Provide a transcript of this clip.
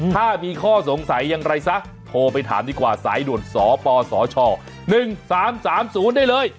ถ้ามีข้อสงสัยอย่างไรซะโทรไปถามดีกว่าสายด่วนสปสช๑๓๓๐ได้เลย